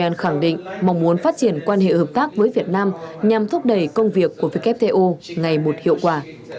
ielt khẳng định mong muốn phát triển quan hệ hợp tác với việt nam nhằm thúc đẩy công việc của wto ngày một hiệu quả